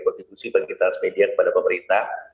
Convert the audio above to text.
konstitusi bagi transmedia kepada pemerintah